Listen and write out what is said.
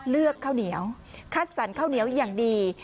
ข้าวเหนียวคัดสรรข้าวเหนียวอย่างดี